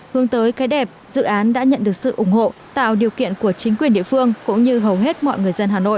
hướng tới cái đẹp dự án đã nhận được sự ủng hộ tạo điều kiện của chính quyền địa phương cũng như hầu hết mọi người dân hà nội